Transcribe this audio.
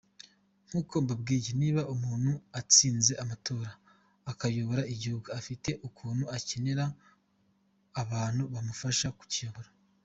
Nkuko mbabwiye niba umuntu atsinze amatora akayobora igihugu afite ukuntu akenera abantu bamufasha kukiyobora.